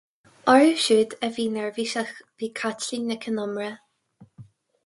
Orthu siúd a bhí neirbhíseach, bhí Caitlín Nic Con Iomaire.